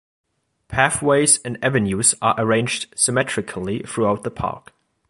Pathways and avenues are arranged symmetrically throughout the park.